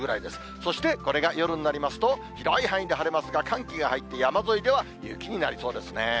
そしてこれが夜になりますと、広い範囲で晴れますが、寒気が入って山沿いでは雪になりそうですね。